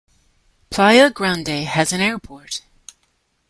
Playa Grande has an airport.